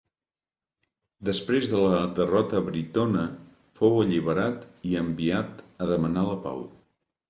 Després de la derrota britona fou alliberat i enviat a demanar la pau.